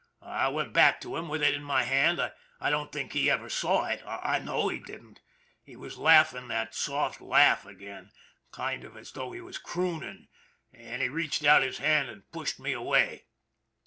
I went back to him with it in my hand. I don't think he ever saw it I know he didn't. He was laughing that soft laugh again, kind of as though he was crooning, and he reached out his hand and pushed me away.